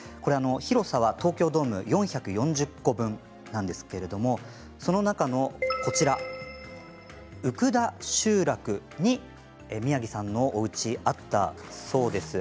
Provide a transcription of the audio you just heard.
広さは東京ドーム４４０個分なんですけれどその中の宇久田集落に宮城さんのおうちがあったそうです。